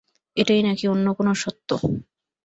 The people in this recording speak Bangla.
এটাই নাকি অন্য কোনো সত্য?